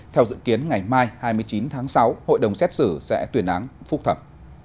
theo dự kiến ngày mai hai mươi chín tháng sáu hội đồng xét xử sẽ tuyên án phúc thẩm